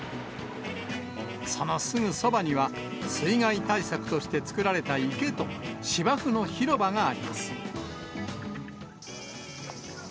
そのすぐそばには、水害対策として造られた池と芝生の広場があります。